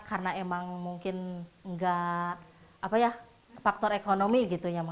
karena emang mungkin enggak faktor ekonomi gitu ya